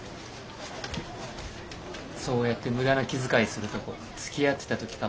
そうやって無駄な気遣いするとこつきあってた時から変わんないよね。